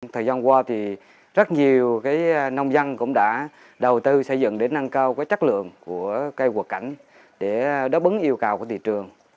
thời gian qua thì rất nhiều nông dân cũng đã đầu tư xây dựng để nâng cao chất lượng của cây quật cảnh để đáp ứng yêu cầu của thị trường